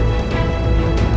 damai saja kau